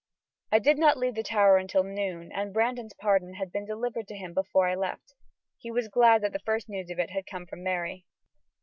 I did not leave the Tower until noon, and Brandon's pardon had been delivered to him before I left. He was glad that the first news of it had come from Mary.